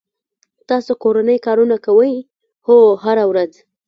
تاسو کورنی کارونه کوئ؟ هو، هره ورځ